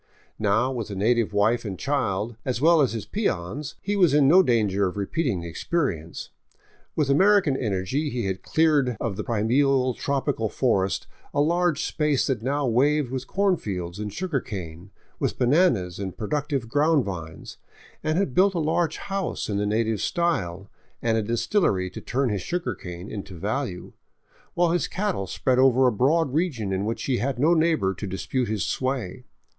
Now, with a native wife and child, as well as his peons, he was in no danger of repeating the expe rience. With American energy he had cleared of the primeval, tropical forest a large space that now waved with corn fields and sugar cane, with bananas and productive ground vines, and had built a large house in the native style and a distillery to turn his sugar cane into value, while his cattle spread over a broad region in which he had no neighbor to dispute his sway.